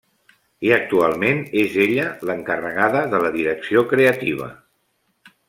I actualment és ella l'encarregada de la direcció creativa.